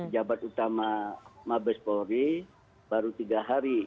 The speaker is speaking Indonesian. jabat utama mabes polri baru tiga hari